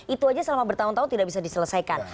itu aja selama bertahun tahun tidak bisa diselesaikan